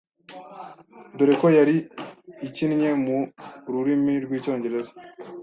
dore ko yari ikinnye mu rurimi rw’Icyongereza.